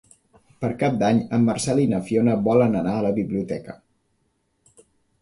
Per Cap d'Any en Marcel i na Fiona volen anar a la biblioteca.